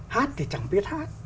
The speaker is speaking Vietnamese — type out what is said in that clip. hát thì chẳng biết hát